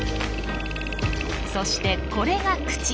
そしてこれが口。